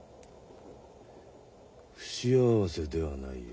不幸せではないよ。